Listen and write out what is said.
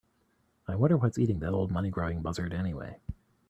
I wonder what's eating that old money grubbing buzzard anyway?